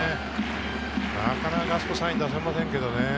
なかなかあそこにサインを出せませんけどね。